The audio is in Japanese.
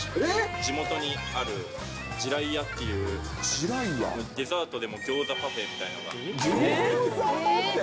地元にある地雷やっていう、デザートでもギョーザパフェみたギョーザパフェ？